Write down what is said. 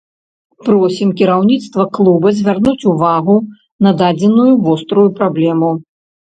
Просім кіраўніцтва клуба звярнуць увагу на дадзеную вострую праблему.